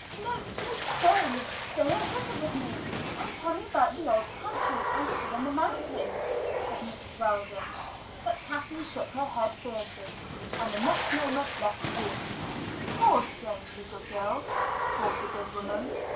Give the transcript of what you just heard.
"No, no; stay. Stay and visit with me, and tell me about the old country and the sea and the mountains," said Mrs. Weldon. But Kathleen shook her head fiercely, and the next moment left the room. "Poor, strange little girl," thought the good woman.